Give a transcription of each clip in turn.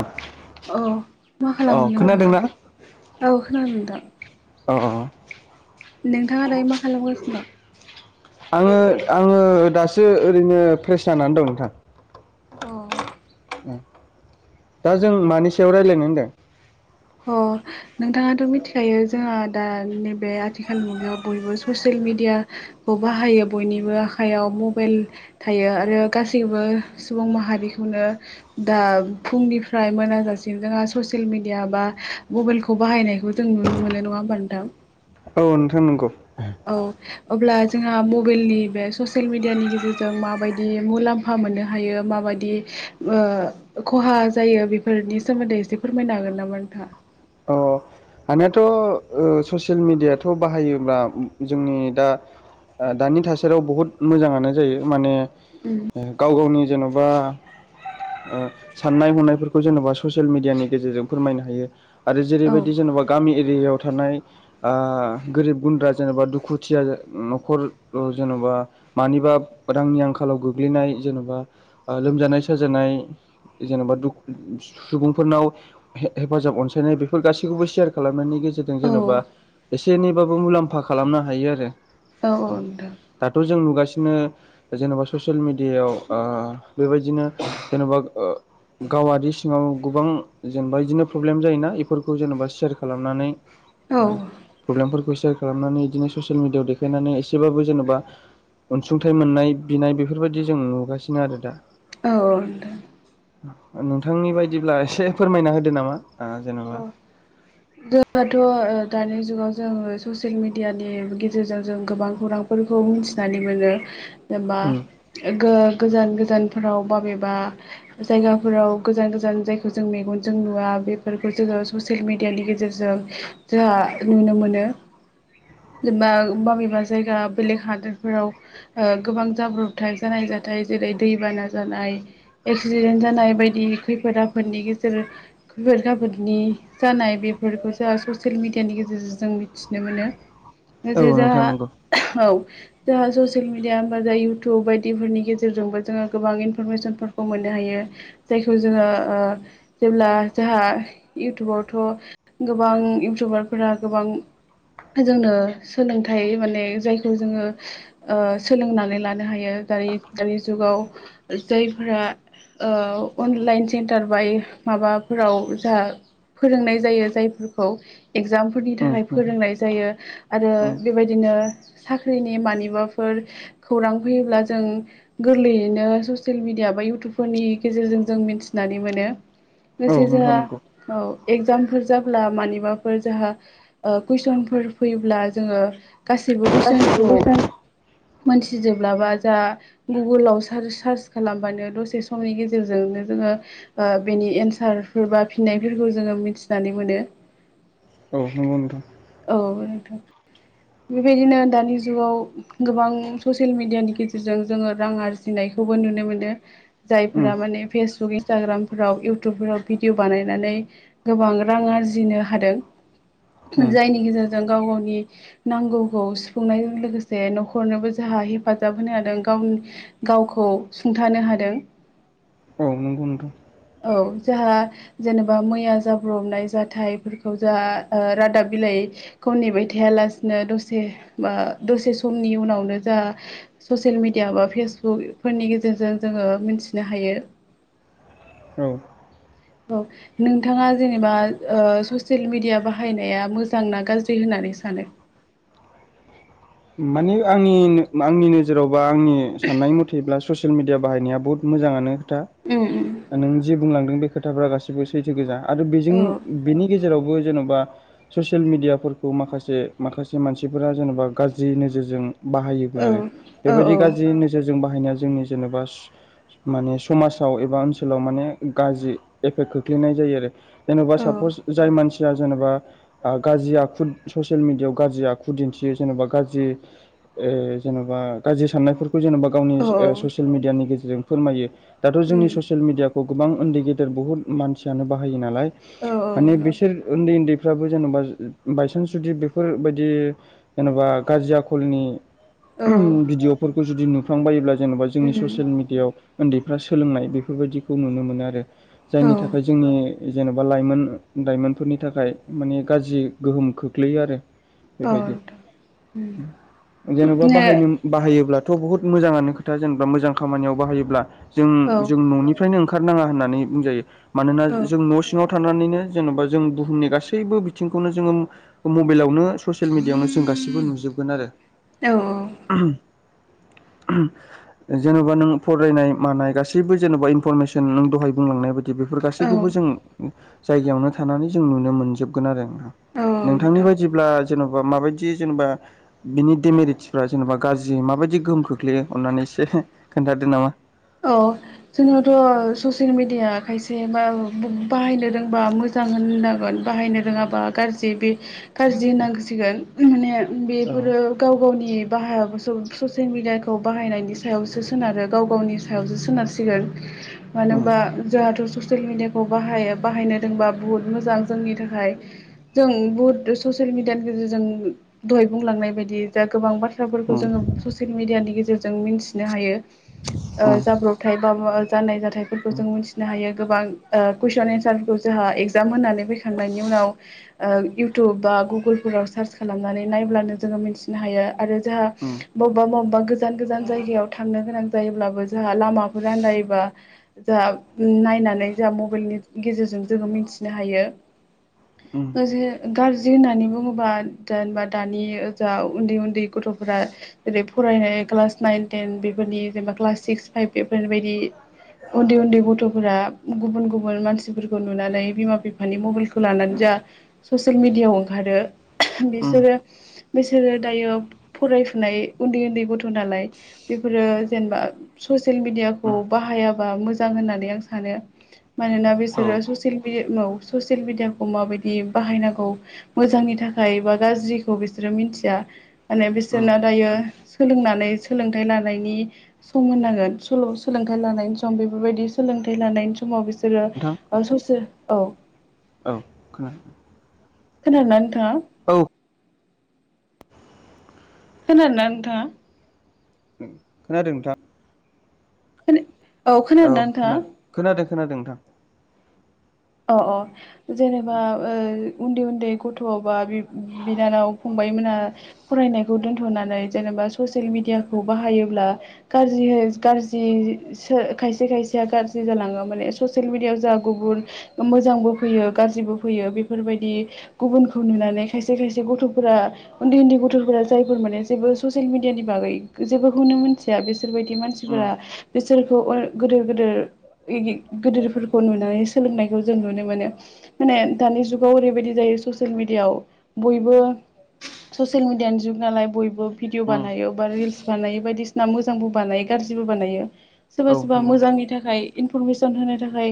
[inaudible] औ मा अ खालामो नोंथाङा खोनादोंना औ खोनादों नोंथां अ नोंथाङा दायो मा खालामगासिनो दं अ आङो आङो दासो ओरैनो फ्रेस जानानै दं नोंथां औ दा जों मानि सायाव रायज्लायनो होनदों? अ नोंथाङाथ' मिथिखायो जोंहा दा नैबे आथिखाल मुगायाव बयबो ससियेल मिडियाखौ बाहायो बयनिबो आखाइयाव मबाइल थायो आरो गासैबो सुबुं माहारिखौनो दा फुंनिफ्राय मोनाजासिन जोंहा ससियेल मिडिया बा मबाइलखौ बाहायनायखौ जों नुनो मोनो नङा होमबा नोंथां? औ नोंथां नंगौ औ अब्ला जोंहा मबाइलनि बे ससियेल मिडियानि गेजेरजों माबायदि मुलाम्फा मोननो हायो माबायदि ओ खहा जायो बेफोरनि सोमोन्दै एसे फोरमायनो हागोन नामा नोंथाङा? अ हानियाथ' ओ ससियेल मिडियाथ' बाहायोब्ला जोंनि दा आं दानि थासारियाव बहुत मोजाङानो जायो माने उम गाव गावनि जेन'बा साननाय हनायफोरखौ जेनेबा ससियेल मिडियानि गेजेरजों फोरमायनो हायो। आरो औ जेरैबायदि जेनेबा गामि एरियायाव थानाय गोरिब गुन्द्रा जेनेबा दुखुथिया न'खर जेन'बा मानिबा रांनि आंखालाव गोग्लैनाय जेन'बा लोमजानाय साजानाय जेनेबा सुबुंफोरनाव हेफाजाब अनसाय नाय बेफोर गासैखौबो सेयार खालामनायनि गेजेरजों औ जेन'बा एसे एनैबाबो मुलाम्फा खालामनो हायो आरो औ नोंथां दाथ' जों नुगासि नो जेनेबा ससियेल मिडियायाव ओ बेबायदिनो जेनेबा गावारि सिङाव गोबां जेनेबा बिदिनो प्रब्लेम जायोना बेफोरखौ जेनेबा सेयार खालामनानै औ प्रब्लेमफोर खौ सेयार खालामनानै बिदिनो ससियेल मिडियाआव देखायनानै एसेबाबो जेनेबा अनसुंथाइ मोननाय बिनाय बेफोरबायदि जों नुगासिनो आरो दा औ औ नोंथां नोंथांनि बायदिब्ला एसे फोरमायना होदो नामा जेन'बा अ जोंथ' ओ दानि जुगाव जोङो ससियेल मेडियानि गेजेरजों जों गोबां खौरांफोरखौ मिथिनानै मोनो। जेनेबा उम ओ गो गोजान गो गोजानफोराव बबेबा जायगाफोराव गोजान गोजान जायखौ जों मेगनजों नुवा बे फोरफोरखौ जोङो ससियेल मिेडियानि गेजेरजों जोंहा नुनो मोनो। जेनेबा बबेबा जायगा बेलेग हादोरफोराव गोबां जाब्रबथाय जानाय ज नाथाय जेरै दैबाना जानाय एक्सिडेन्ट जानाय बायदि खैफोद आफोदनि गेजेर [unintelligible] फोरनि जानाय बेफोरखौ जोंहा ससियेल मिडियानि गेजेरजों जों मिथिनो मोनो। औ जे नोंथां जहा नंगौ औ। जोंा ससियेल मिडिया होमबा जोहा इउटुब बायदिफोरनि गेजेरजोंबो जोङो गोबां इनफरमेसनफोरखौ मोनो। जायखौ जोङो जेब्ला जोंहा इउटुबावथ' गोबां इउटुबारफोरा गोबां जोंनो सोलोंथाइ माने जायखौ जोङो सोलोंनानै लानो हायो। दानि दानि जुगाव जायफोरा अनलाइन सेन्टार बाय माबाफव जाह फोरोंनाय जायो जायफोरखौ। एग्जामफोरनि उम थाखाय नोंथां फोरोंनाय जायो आरो उम बेबायदिनो साख्रिनि मानिबाफोर खौरां फैयोब्ला जों गोरलैयैनो ससियेल मिडिया मा इउटुबफोरनि गेजेरजों जों मिथिनानै मोनो। औ लोगोसे नोंथ जोंहा नंगौ। औ एगजामफोर जाब्ला मानिबाफोर जाहा कुइसनफोर फैयोब्ला जोङो गासैबो गासिबो कुइसनखौ बेसाद मोनथिजोब्लाबा जा गुगोलाव सार्च खालामबानो दसे समनि गेजेरजोंनो जों बेनि एन्सारफोर बा फिननायफोरखौ जोङो मिथिनानै मोनो। औ नंगौ नोंथां। औ नोंथां। बेबायदिनो दानि जुगाव गोबां ससियेल मिडियानि गेजेरजों जोङो रां आरजिनाय। बो नुनो मोन जायम्फ्रा उम माने फेसबुक इन्सटाग्रामफोराव इउटुबफोराव भिडिअ बानायनानै गोबां रां आरजिनो हादों। उम जायनि गेजेरजों गाव गावनि नांगौखौ सुफुंनायजों लोगोसे न'खरनोबो जाहा हेफाजाब होनो हादों गावनि गावखौ सुंथानो हादों। औ नंगौथ। औ जाहा जेनेबा मैया जाब्रबनाय जाथायफोरखौ जाह रादाब बिलाइ ख नेबाय थायालासेनो दसे बा दसे समनि उनावनो जाहा ससियेल मिेडिया बा फेसबुकफोरनि गेजेरजों जोङो मिथिनो हायो। औ। औ नोंथाङा जेनेबा ससियेल मिडिया बाहायनाया मोजां ना गाज्रि होननानै सानो? म। माने आंनि आंनि नोजोराव बा आंनि साननाय मथेब्ला ससियेल मिडिया बाहायनाया बहुत मोजाङानो खोथा उम नों जि बुंलांदों बे खोथाफ्रा गासिबो सैथो गोजा आरो बेजों उम बेनि गेजेराव जेरावबो जेन'बा ससियेल मिडियाफोरखौ माखासे माखासे मानसिफोरा जेन'बा गाज्रि नोजोरजों बाहायोबो औ आरो औ बेबायदि गाज्रि नोजोरजों बाहायनाय जोंनि जेनेबा माने समाजाव एबा ओनसोलाव माने गाज्रि एफेक्ट खोख्लैनाय जायो। जेनबा औ सा जाय मानसि जनेबा गाजि आखु स'सेल मेदिया याव गाजि आखु दिन्थियो जेनेबा गाज्रि जेनेबा गाज्रि साननाय जेनेबा गावनि औ ससियेल मिडियानि गेजेरजों फोरमायो दाथ' जोंनि उम ससेल मिदिया गोबां उन्दै गेदेर बहुत मानसियानो बाहायो नालाय औ माने बिसोर उन्दै उन्दै फोराबो जेनेबा बायसान्स जुदि बेफोरबायदि जेनेबा गाज्रि आखलनि औ भिडिअफोरखौ जुदि नुफ्लांबायोब्ला जेनेबा जोंनि उम ससियेल मिडियाायाव उन्दैफ्रा सोलोंनाय बेफोरबायाददिखौ नुनो मोनो आरो औ जायनि थाखाय जोंनि जेनेबा लाइमोन लाइमोनफोरनि थाखाय मानिेगाज्रि गोहोम खोख्लैयो आरो। बेबायदि। नोंथां जेनबा उम बाहायनो बाहाय योब्लाथ बुहुत मोजाङनो खोथा जेनेबा मोजां खामानियाव बाहायो जों औ जों ननिफ्रायनो ओंखार खारनाङा होननानै बुंजायो। मानोना जों न' सिङाव थानानैनो जेनबा जों बुहुमनि गासैबो बिथिंखौनो जोङो मबाइलावनो ससियेल मिडियावनो गासिबो नुजोबगोन आरो औ औ। [unintelligible] जेनेबा नों फरायनाय मानाय गासैबो जेनबा इनफरमेसन नों दहाय बुंलांनाय बाय दि बेफोर औ गासैखौबो जों जायगायावनो थानानै जों नुनो मोनजोबगोन आरो औ नोंथांनि नोंथां बायदिब्ला जेनबा माबाय दि जेनेबा बिनि डिमेरिदसफोरा जेनेबा गाज्रि माबायदि गोहोम खोख्लैयो अननानै एसे [unintelligible] खोनथादो नामा। औ। जोंनावथ' ससियेल मिडिया खायसे बा बु बाहायनो रोंबा मोजां होननांगोन। बाहायनो रोङाबा गाज्रि। बे गाज्रि होनांसिगोन माने औ बेफोरो गाव गावनि बाहायाबोसौ ससियेल मिडियाखौ बाहायनायनि सायावसो सोनारो गाव गावनि सायावसो सोनारसिगोन। मानो उम होनबा जोंहाथ' ससियेल मिडियाखौ बाहाय बाहायनो रोंबा बुहुत मोजां जोंनि थाखाय। जों बुहुत ससियेल मिडियानि गेजेरजों दहाय बुंलांनाय बायदि जा गोबां बा थ्राफोरखौ उम जोङो ससियेल मिडियानि गेजेरजों मिन्थिनो हायो। ओ उम जाब्रबथाय बा जानाय जाथायफोरखौ जों मोनथिनो हायो। गोबां ओ कुइसन एन्सारफोरखौ जोंहा एगजाम होनानै फैखांनायनि उनाव ओ इउटुब बा गुगोलफोराव सार्च खालामनानै नायब्लानो जोङो मिथिनो हायो। आरो जोंहा बबेबा बबेबा गोजान गोजान जायगायाव थांनो गोनां जायोब्लाबो जोंहा लामाफोर आन्दायोबा जोंहा नायनानै जोंहा मबाइलनि गेजेरजों जोङो मि थिनो हायो। उम [unintelligible] गार जि होननानै बुङोबा जेनेबा दानि ओजा उन्दै उन्दै गथ'फोरा जेरै फरायनाय क्लास नाइन तेन बेफोरनि जेनेबा क्लास सिक्स फाइभ बेफोरबायदि उन्दै उन्दै गथ'फोरा गुबुन गुबुन मानसिफोरखौ नुनानै बिमा बिफानि मबाइलखौ लानानै जोङा ससियेल मिडियाव ओंखारो [unintelligible] बिसोरो बिसोरो दायो फरायफुनाय उन्दै उन्दै गथ' नालाय बेफोरो जेनेबा ससियेल मिडियाखौ उम बाहायाबा मोजां होननानै आं सानो। मानोना औ बिसोरो ससिल मिडि [unintelligible] ससियेल मिडियाखौ माबायदि बाहायनांगौ मोजांनि थाखाय बा गाज्रिखौ बिसोरो मिनथिया। माने उम बिसोरना दायो सोलोंनानै सोलोंथाइ लानायनि सम होननांगोन सल' सोलोंथाइ लानायनि सम बेफोरबायदि सोलोंथाइ लानायनि समाव बि सोरो नोंथां ओ ससेल औ। औ खोनादों। खोनादों ना नोंथाङा? औ खोनादों ना नोंथाङा? खोनादों नोंथां। खोन औ खोनादो ना नोंथाङा? खोनादों खोनादों खोनादों नोंथां। अ अ। जेनेबा ओ उन्दै उन्दै गथ' बा बिब बिनानाव फंबाय मोना फरायनायखौ दोन्थ'नानै जेनेबा ससियेल मिडियाखौ बाहायोब्ला गाज्रिहै गाज्रि सो खायसे खायसेया गाज्रि जालाङो माने ससियेल मिडियाव जा गुबुन मोजांबो फैयो गाज्रिबो फैयो बेफोरबायदि गुबुनखौ नुनानै खायसे खायसे गथ'फोरा उन्दै उन्दै गथ'फोरा जायफोर माने जेबो ससियेल मिडियानि बागै जेबोखौनो मोनथिया बिसोरबायदि मान उम सिफोरा बिसोरखौ ओ गोदोर गोदोर इदि गोदोरफोरखौ नुनानै सोलोंनाय जों नुनो मोनो। माने दानि जुगाव ओरैबायदि जायो ससियेल मिडियाव बयबो ससियेल मिडियानि जुग नालाय बयबो भिदिअ' उम बानायो बा रिल्स बानायो बायदिसिना मोजांबो बानाय गाज्रिबो बानायो औ सोरबा-सोरबा नंगौ नोंथां मोजांनि थाखाय इनफरमेसन होनो थाखाय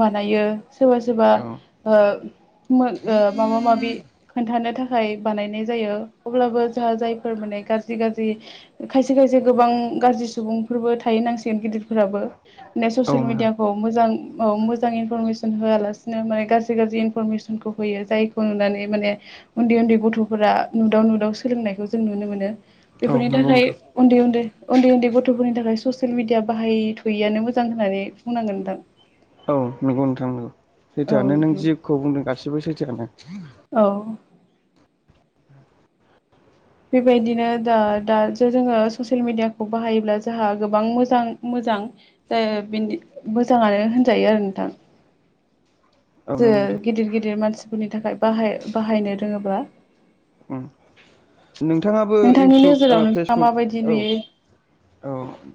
बानायो। सोरबा-सोरबा औ ओ। मो ओ माबा-माबि खोन्थानो थाखाय बानायनाय जायो अब्लाबो जोंहा जायफोर माने। गाज्रि-गाज्रि खायसे-खायसे गोबां गाज्रि सुबुंफोरबो थायो होननांसिगोन गिदिरफोराबो। औ ससियेल नोंथां मिडियाखौ मोजां औ मोजां इनफरमेसन। होवालासिनो माने गाज्रि-गाज्रि इनफरमेसनखौ होयो जायखौ नुनानै माने उन्दै-उन्दै गथ'फोरा। नुदाव-नुदाव सोलोंनायखौ जों नुनो मोनो औ बेफोरनि नंगौ थाखाय। नोंथां उन्दै-उन्दै-उन्दै-उन्दै गथ'फोरनि थाखाय ससियेल मेदिया बाहाय थवैयानो मोजां होननानै बुंनांगोन नोंथां। औ नंगौ नोंथां नगौ औ सैथोआनो नों नोंथां जिखौ बुंदों गासिबो सैथोआनो। औ। बेबायदिनो दा-दासो जोङो ससियेल मिडियाखौ बाहायोब्ला जोंहा गोबां मोजां मो। मोजां जा बिनि मोजाङानो होनजायो आरो नोंथां। औ जा नंगौ नोंथां गिदिर-गिदिर मानसि। मानसिफोरनि थाखाय बाहाय-बाहायनो रोङोब्ला। उम नोंथाङाबो नोंथांनि इउटुब नोजोराव ओ नोंथाङा फेसबुक माबायदि औ। नुयो औ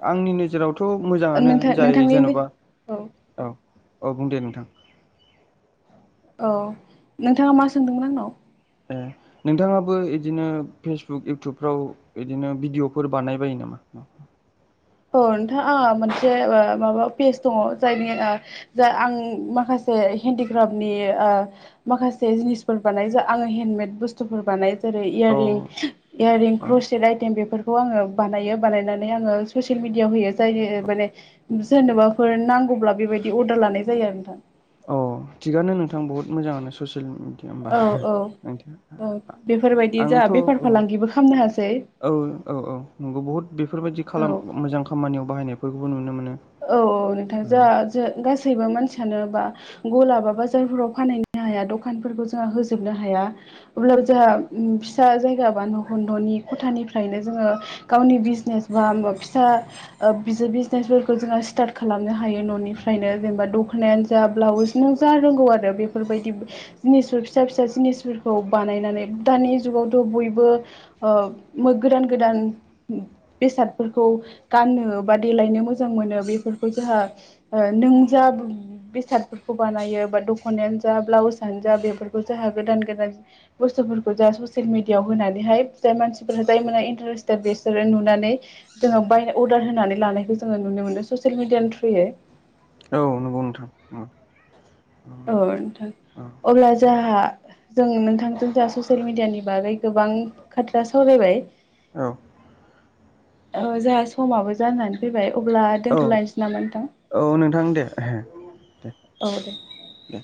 आंनि नोजोरावथ' मोजाङानो नोंथां जाय नोंथांनि जेन'बा औ औ। औ बुं दे नोंथां। औ नोंथाङा मा सोंदोंमोन आंनाव? ए नोंथाङाबो इदिनो फेसबुक, इउटुबफ्राव इदिनो भिडिअफोर बानाय बायो नामा? [inaudible] औ नोंथां आंहा मोनसे माबा पेज दङ जायनि ओ जाय आं माखासे। हेन्डिक्राफ्टनि ओ माखासे जिनिसफोर बानाय जाआङो हेन्दन्दमेद बुस्थुफोर बानायो। अ जेरै-इयारिं-इयारिं अ क्रसेट आइटेम बेफोरखौ आङो बानायो बानायनानै आङो। ससियेल मिडियाआव होयो जाय माने। सोरनोबाफोर नांगौब्ला बेबायदि अर्डार लानाय जायो आरो नोंथां। अ थिगानो नोंथां बहुत मोजाङानो ससियेल। औ औ औ [inaudible] बेफोरबायदि जोंहा आंथ' बेफार ओ। फालांगिबो खालामनो हासै औ-औ-औ नंगौ बहुद बेफोरबायदि खालाम मोजां खामानियाव बाहायनायफोरखौबो नुनो मोनो। औ-औ नोंथां जा जो गासैबो मानसि। [unintelligible] बा गला बा बाजारफोराव फानहैनो हाया दखानफोरबो जोंहा होजोबनो हाया अब्ला। जा ओम फिसा जायगा बा न' खन्द'नि खथानिफ्रायनि जोङो गावनि बिजनेस बा। फिसा ओ बिजो बिजनेसफोरखौ। जोंहा स्टार्ट खालामनो हायो न'निफ्रायनो जेनेबा द'खनायानो जा ब्लाउस नों जा रोंगौ आरो बेफोरखौ। बायदिब जिनिसफोर फिसा-फिसा जिनिसफोरखौ बानायनानै दानि जुगावथ' बयबो ओ। ओ गोदान-गोदान बेसादफोरखौ गाननो बा देलायनो मो। मोजां मोनो बेफोरखौ जोंहा ओ नों जा बेसादफोरखौ बानायो बा दख'नायानो। जा ब्लाउसानो जा बेफोरखौ जाहा गोदान-गोदान बुस्थुफोरखौ जों ससियेल मिडियाआव होनानैहाय। जाय मानसिफोरा, जाय मोनहा इन्टारेस्टेड बिसोरो नुनानै जोङो बाय अरदार होनानै लानायखौ जों। जोङो नुनो मोनदों ससियेल मिडियानि थ्रुयै। औ नंगौ नोंथां ओम। औ नोंथां अब्ला जाहा। जों नोंथांजों जा ससियेल मिडियानि बागै गोबां खोथा सावरायबाय। औ। ओ जोंहा समाबो जानानै फैबाय अब्ला औ दोनथ'लायनोसै नामा नोंथां? औ नोंथां दे। दे औ दे। दे